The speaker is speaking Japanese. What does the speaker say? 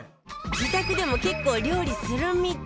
自宅でも結構料理するみたい